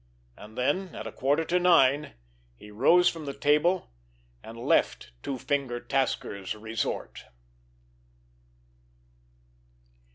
And then at a quarter to nine he rose from the table, and left Two finger Tasker's resort.